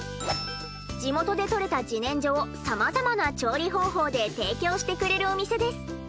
地元で取れた自然薯をさまざまな調理方法で提供してくれるお店です。